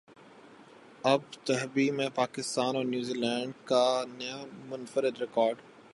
Abu Dhabi میں پاکستان اور New Zealand کا نیا منفرد ریکارڈ